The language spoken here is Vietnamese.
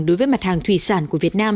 đối với mặt hàng thủy sản của việt nam